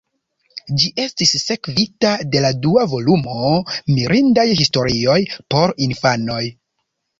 Ĝi estis sekvita de la dua volumo, "Mirindaj historioj por infanoj".